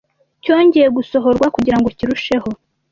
cyongeye gusohorwa kugira ngo kirusheho